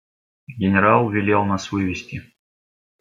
Генерал велел нас вывести.